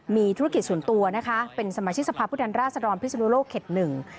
มีธุรกิจส่วนตัวเป็นสมชิตสภาพุทธรรมราชดรพิศนุโลกเข็ดหนึ่ง